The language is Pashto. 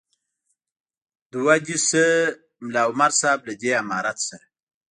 دوه دې سه ملا عمر صاحب له دې امارت سره.